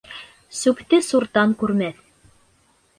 Сүпте суртан күрмәҫ.